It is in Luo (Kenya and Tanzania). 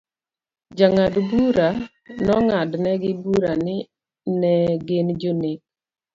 Jang'ad bura nong'adnegi bura ni ne gin jonek.